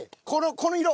この色。